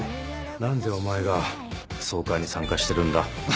何でお前が総会に参加してるんだ？